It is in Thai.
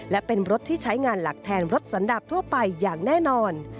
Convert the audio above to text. และเป็นรถที่ใช้งานหลักแทนรถสันดับทั่วไปอย่างแน่นอน